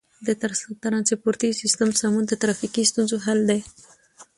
د ترانسپورتي سیستم سمون د ترافیکي ستونزو حل دی.